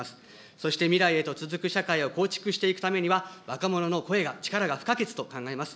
そして未来へと続く社会を構築していくためには、若者の声が力が不可欠と考えます。